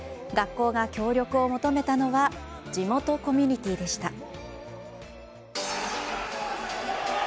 学校が協力を求めたのは地元コミュニティーでした。